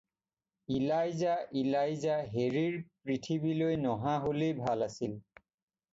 ইলাইজা, ইলাইজা হেৰিৰ পৃথিৱীলৈ নহা হ'লেই ভাল আছিল।